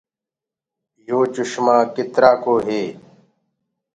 يو چشمآ ڪِتآرآ ڪو هي۔